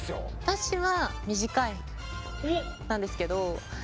私は短いなんですけど。